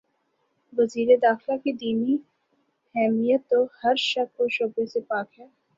وزیر داخلہ کی دینی حمیت تو ہر شک و شبہ سے پاک ہے۔